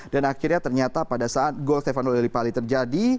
dan akhirnya ternyata pada saat gol stefano lollipali terjadi